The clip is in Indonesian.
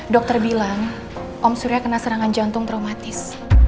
dokter bilang om surya kena serangan jantung traumatis